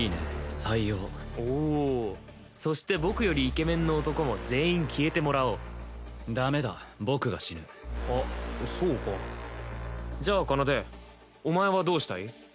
採用おおそして僕よりイケメンの男も全員消えてもらおうダメだ僕が死ぬあっそうかじゃあ奏お前はどうしたい？